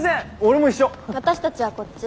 私たちはこっち。